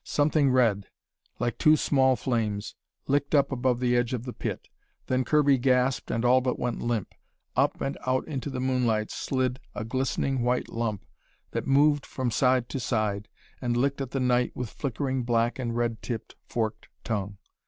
Something red, like two small flames, licked up above the edge of the pit. Then Kirby gasped and all but went limp. Up and out into the moonlight slid a glistening white lump that moved from side to side and licked at the night with flickering black and red tipped forked tongue.